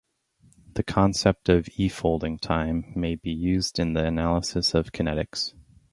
The concept of "e"-folding time may be used in the analysis of kinetics.